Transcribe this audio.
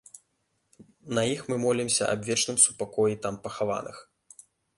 На іх мы молімся аб вечным супакоі там пахаваных.